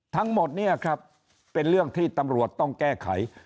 ทั้งหมดเนี่ยครับเป็นเรื่องที่ตำรวจต้องแก้ไข